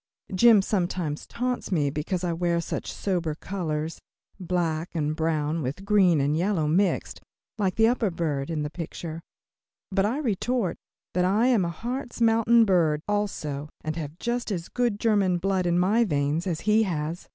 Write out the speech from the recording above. Jim sometimes taunts me because I wear such sober colors black and brown with green and yellow mixed like the upper bird in the picture but I retort that I am a Hartz Mountain bird, also, and have just as good German blood in my veins as he has.